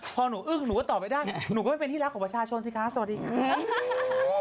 พอหนูอึ้งหนูก็ตอบไม่ได้หนูก็ไม่เป็นที่รักของประชาชนสิคะสวัสดีค่ะ